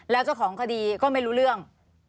แล้วเจ้าของคดีก็ไม่รู้เรื่อง